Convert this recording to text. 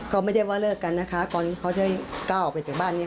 ก็ไม่ได้ว่าเลิกกันนะคะก่อนที่เขาจะก้าวออกไปจากบ้านนี้